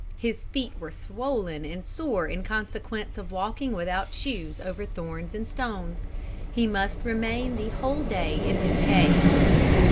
His feet were swollen and sore in consequence of walking without shoes over thorns and stones. He must remain the whole day in his cave.